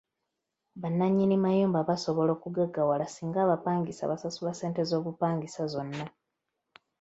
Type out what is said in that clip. Bannannyini mayumba basobola okugaggawala singa abapangisa basasula ssente z'obupangisa zonna.